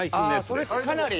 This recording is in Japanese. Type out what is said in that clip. それってかなり。